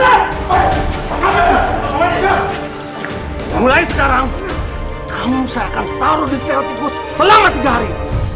mulai sekarang kamu saya akan taruh di sel tikus selama tiga hari